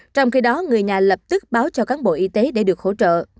trong khi đó người nhà lập tức báo cho cán bộ y tế để được hỗ trợ